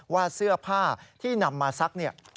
ว่าเสื้อผ้าที่นำมาซัก